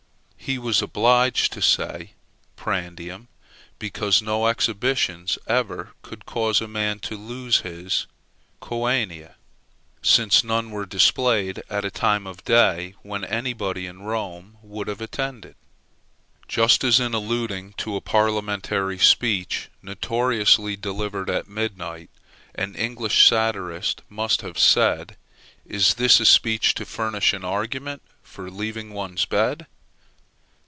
He was obliged to say prandium, because no exhibitions ever could cause a man to lose his coenia, since none were displayed at a time of day when anybody in Rome would have attended. Just as, in alluding to a parliamentary speech notoriously delivered at midnight, an English satirist must have said, Is this a speech to furnish an argument for leaving one's bed?